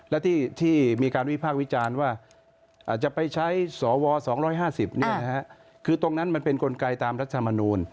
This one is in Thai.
และที่มีการวิพากษ์วิจารณ์ว่าจะไปใช้สว๒๕๐คือตรงนั้นมันเป็นกลไกตามรัฐมนูล